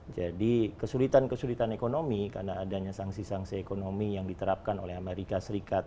jadi kesulitan kesulitan ekonomi karena adanya sanksi sanksi ekonomi yang diterapkan oleh amerika serikat